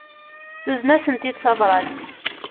Tuzen-asent-id tabrat.